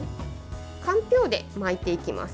かんぴょうで巻いていきます。